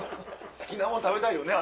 好きなもの食べたいよね。